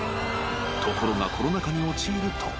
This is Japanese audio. ［ところがコロナ禍に陥ると］